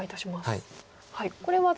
はい。